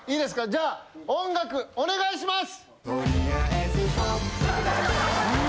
じゃあ音楽お願いします！